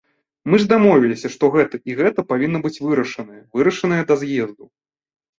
Мы ж дамовіліся, што гэта і гэта павінна быць вырашанае, вырашанае да з'езду.